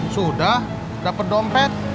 sudah dapat dompet